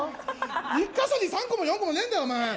１か所に３個も４個もないんだよ。